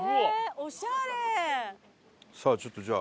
さあちょっとじゃあ。